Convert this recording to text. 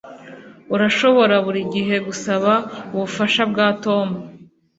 Urashobora buri gihe gusaba ubufasha bwa Tom